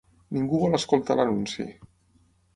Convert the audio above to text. Ningú vol escoltar l'anunci.